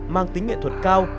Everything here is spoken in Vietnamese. mang tính nghệ thuật cao